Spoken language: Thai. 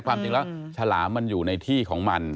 ความจริงแล้วฉลามมันอยู่ในที่ของมัน